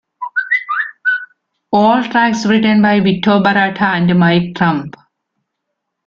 All tracks written by Vito Bratta and Mike Tramp.